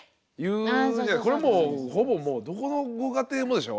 これもうほぼもうどこのご家庭もでしょ？